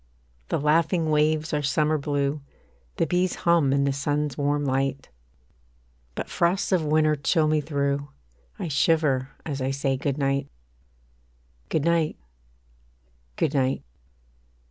The laughing waves are summer blue, The bees hum in the sun's warm light; But frosts of winter chill me through, I shiver as I say Good night. Good night Good night.